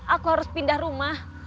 aku harus pindah rumah